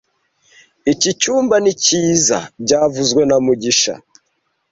Iki cyumba ni cyiza byavuzwe na mugisha